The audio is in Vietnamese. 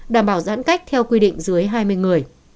đảm bảo giãn cách theo quy định dưới hai mươi người